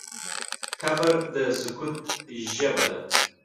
قبر د سکوت ژبه ده.